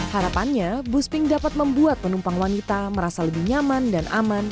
harapannya boos pink dapat membuat penumpang wanita merasa lebih nyaman dan aman